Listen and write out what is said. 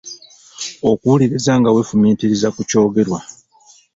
Okuwuliriza nga weefumiitiriza ku kyogerwa.